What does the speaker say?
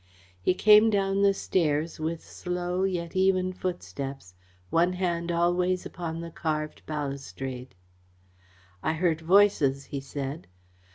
He came down the stairs with slow yet even footsteps, one hand always upon the carved balustrade. "I heard voices," he said.